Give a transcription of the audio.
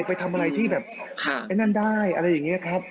ไปทำอะไรที่แบบไอ้นั่นได้อะไรอย่างนี้ครับ